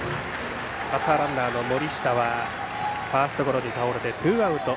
バッターランナーの森下はファーストゴロに倒れてツーアウト。